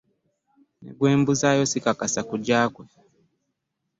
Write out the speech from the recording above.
Ne gwe mbuzaayo sseekakasa kujja kwe.